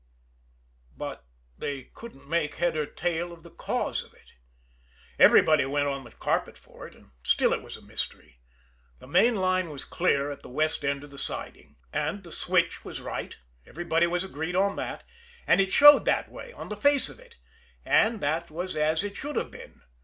But they couldn't make head or tail of the cause of it. Everybody went on the carpet for it and still it was a mystery. The main line was clear at the west end of the siding, and the switch was right; everybody was agreed on that, and it showed that way on the face of it and that was as it should have been.